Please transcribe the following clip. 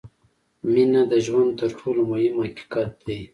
• مینه د ژوند تر ټولو مهم حقیقت دی.